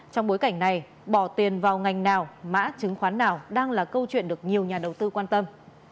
trong bối cảnh này bỏ tiền vào ngành nào mã chứng khoán nào đang là câu chuyện được nhiều nhà đầu tư quan tâm